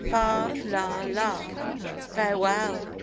Fa la la! Farewell!